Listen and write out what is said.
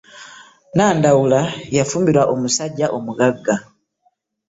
Nandawula yafumbirwa omusajja omugaga.